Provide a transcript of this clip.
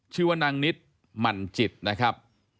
ชื่อว่านางนิดหมั่นจิตนะครับ